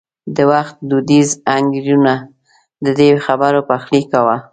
د وخت دودیزو انګېرنو د دې خبرو پخلی کاوه.